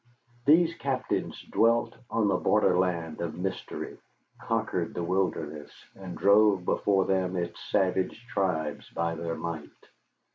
These captains dwelt on the border land of mystery, conquered the wilderness, and drove before them its savage tribes by their might.